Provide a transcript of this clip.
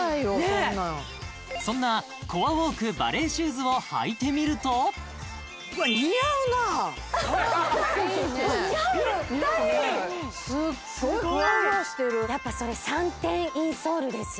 そんなコアウォークバレエシューズを履いてみると似合うぴったりすっごいやっぱそれ３点インソールですよ